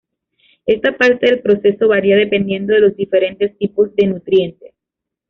Esta parte del proceso varía dependiendo de los diferentes tipos de nutrientes.